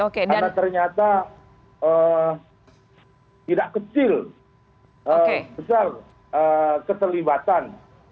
karena ternyata tidak kecil besar keterlibatan